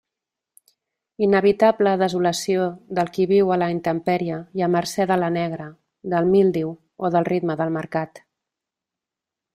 Inevitable desolació del qui viu a la intempèrie i a mercé de la negra, del míldiu o del ritme del mercat.